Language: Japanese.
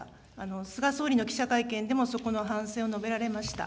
菅総理の記者会見でも、そこの反省を述べられました。